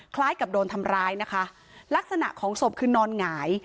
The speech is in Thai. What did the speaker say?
คล้ายกับโดนทำร้ายนะคะลักษณะของศพคือนอนหงาย